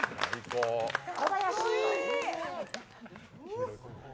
小林！